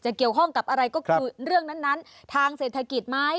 เกี่ยวข้องกับอะไรก็คือเรื่องนั้นทางเศรษฐกิจไหม